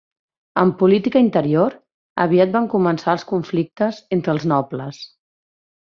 En política interior aviat van començar els conflictes entre els nobles.